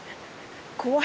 怖い。